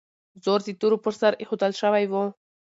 زور د تورو پر سر ایښودل شوی و.